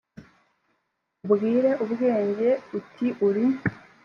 ubwire ubwenge p uti uri